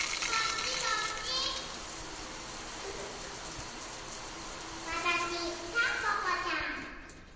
ふふふわたしたんぽぽちゃん。